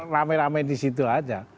ramai ramai di situ aja